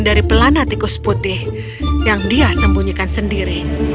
dari pelana tikus putih yang dia sembunyikan sendiri